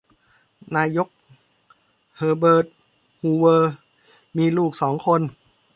นายก เฮอเบิร์ต ฮูเวอร์ มีลูกสองคน